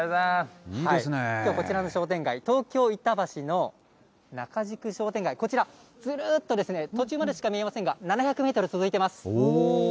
きょう、こちらの商店街、東京・板橋の仲宿商店街、こちら、ずらっと途中までしか見えませんが、７００メートル続いています。